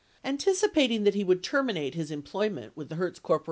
Anticipating that he would terminate his employment with the Hertz Corp.